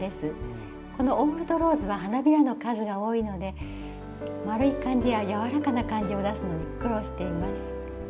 このオールドローズは花びらの数が多いので丸い感じや柔らかな感じを出すのに苦労しています。